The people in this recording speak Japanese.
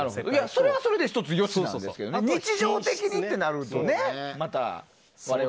それはそれで１つよしなんですけど日常的にとなるとね。